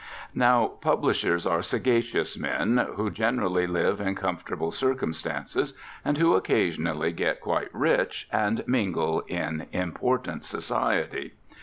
Now publishers are sagacious men who generally live in comfortable circumstances, and who occasionally get quite rich and mingle in important society.